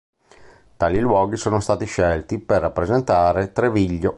Tali luoghi sono stati scelti per rappresentare Treviglio.